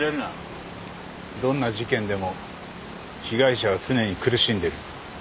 どんな事件でも被害者は常に苦しんでる。